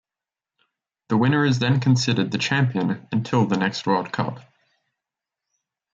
The winner is then considered the champion until the next World Cup.